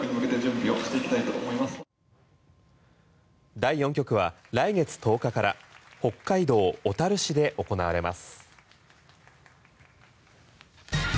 第４局は来月１０日から北海道小樽市で行われます。